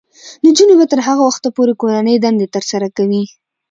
نجونې به تر هغه وخته پورې کورنۍ دندې ترسره کوي.